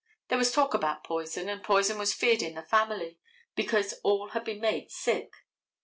There was talk about poison, and poison was feared in the family, because all had been made sick.